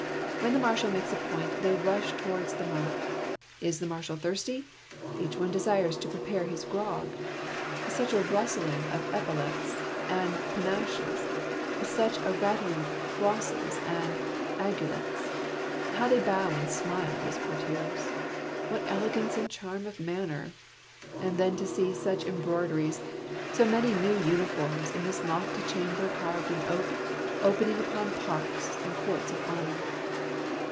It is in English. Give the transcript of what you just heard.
When the Marshal makes a point, they rush towards the mark. Is the Marshal thirsty? Each one desires to prepare his grog ! Such a rustling of epaulettes and pa naches, such a rattling of crosses and aiguillettes ! How they bow and smile, these courtiers ! What elegance and charm of manner ! And then to see such embroideries, so many new uniforms, in this lofty chamber carved in oak, opening upon parks and courts of honor